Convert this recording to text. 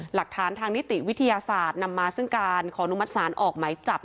หลักฐานทางนิติวิทยาศาสตร์นำมาซึ่งการขอนุมัติศาลออกหมายจับ